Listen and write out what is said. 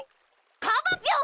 カバピョン！